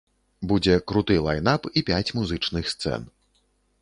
Будзе круты лайн-ап і пяць музычных сцэн.